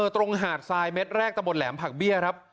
หาดทรายเม็ดแรกตะบนแหลมผักเบี้ยครับ